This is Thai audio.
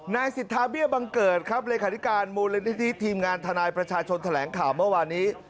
นายสิทธาเบี้ยธ์บังเกิดเลยคานิกานต์มุลนิธิทีมงานธันายประชาชนแถลงข่าวเมื่อวานี้